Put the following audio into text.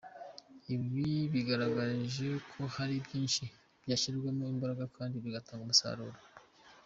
Ibi bigaragaje ko hari byinshi byashyirwamo imbaraga kandi bigatanga umusaruro.